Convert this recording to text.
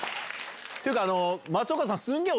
っていうか、松岡さん、すんげぇ